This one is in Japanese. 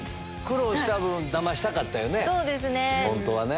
苦労した分だましたかったよね。